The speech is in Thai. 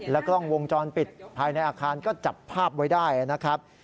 กล้องวงจรปิดภายในอาคารก็จับภาพไว้ได้นะครับ